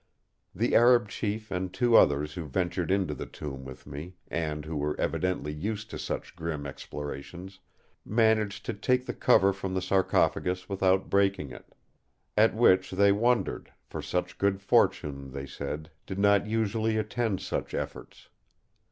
The Arab chief and two others who ventured into the tomb with me, and who were evidently used to such grim explorations, managed to take the cover from the sarcophagus without breaking it. At which they wondered; for such good fortune, they said, did not usually attend such efforts.